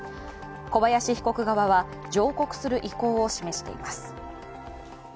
小林被告側は上告する意向を示しています。